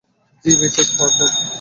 জ্বি, Mrs Horton?